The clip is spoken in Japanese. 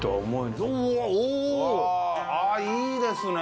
ここいいですね。